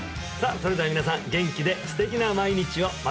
さあそれでは皆さん元気で素敵な毎日を！